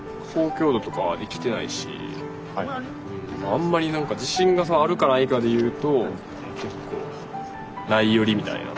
あんまりなんか自信がさあるかないかで言うと結構ない寄りみたいな。